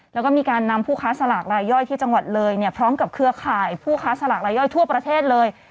แล้วก็มีการนำผู้ค้าสลากรายย่อยที่จังหวัดเลยเนี่ยพร้อมกับเครือข่ายผู้ค้าสลากรายย่อยทั่วประเทศเลย